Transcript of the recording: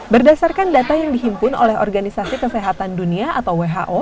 berdasarkan data yang dihimpun oleh organisasi kesehatan dunia atau who